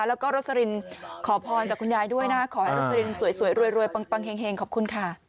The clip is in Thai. แล้วก็รสลินขอพรจากคุณยายด้วยนะขอให้รสลินสวยรวยปังเฮงขอบคุณค่ะ